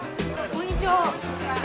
こんにちは。